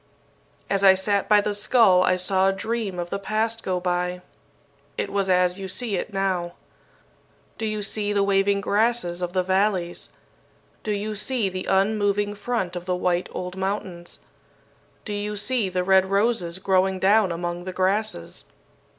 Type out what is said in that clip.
"As I sat by the skull I saw a dream of the past go by. It was as you see it now. "Do you see the waving grasses of the valleys? Do you see the unmoving front of the white old mountains? Do you see the red roses growing down among the grasses?